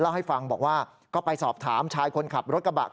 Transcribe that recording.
ให้ฟังบอกว่าก็ไปสอบถามชายคนขับรถกระบะ